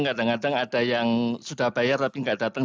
kadang kadang ada yang sudah bayar tapi nggak datang